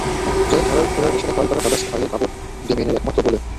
জয়ের ধারায় ফেরার মিশনে কাল তারা ব্রাদার্সকে হারিয়েছে গাবর ডেমিয়েনের একমাত্র গোলে।